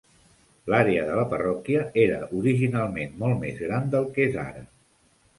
L'àrea de la parròquia era originalment molt més gran del que és ara.